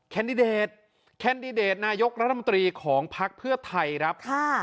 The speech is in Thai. แคนดิเดตแคนดิเดตนายกรัฐมนตรีของภักดิ์เพื่อไทยครับ